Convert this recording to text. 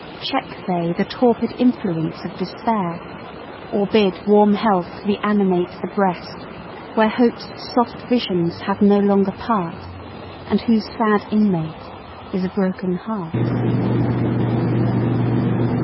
Check they the torpid influence of Despair, Or bid warm Health re animate the breast; Where Hope's soft visions have no longer part, And whose sad inmate is a broken heart?